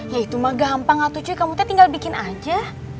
ya itu mah gampang atuh cuy kamu tuh tinggal bikin aja